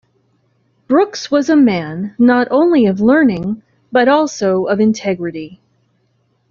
Brooks was a man not only of learning but also of integrity.